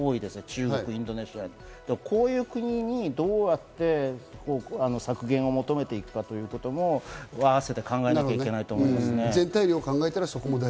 中国、インドネシア、こういう国にどうやって削減を求めていくかということも併せて考えなきゃいけないとも思うんですよね。